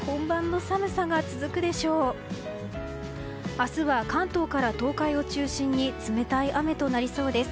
明日は関東から東海を中心に冷たい雨となりそうです。